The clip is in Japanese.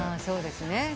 そうですね。